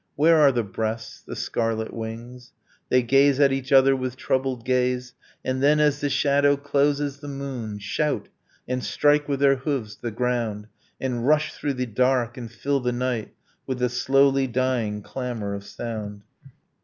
... Where are the breasts, the scarlet wings? .... They gaze at each other with troubled gaze. ... And then, as the shadow closes the moon, Shout, and strike with their hooves the ground, And rush through the dark, and fill the night With a slowly dying clamor of sound.